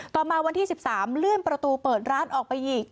ต่อมาวันที่๑๓เลื่อนประตูเปิดร้านออกไปอีก